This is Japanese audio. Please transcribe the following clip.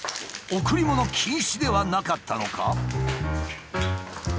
贈り物禁止ではなかったのか？